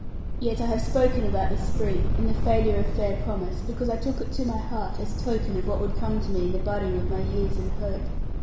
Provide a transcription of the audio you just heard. Yet I have spoken about the spring, and the failure of fair promise, because I took it to my heart as token of what would come to me in the budding of my years and hope.